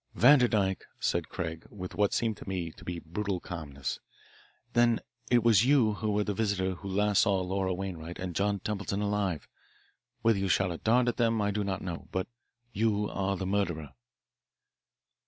"Vanderdyke," said Craig, with what seemed to me a brutal calmness, "then it was you who were the visitor who last saw Laura Wainwright and John Templeton alive. Whether you shot a dart at them I do not know. But you are the murderer."